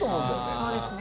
そうですね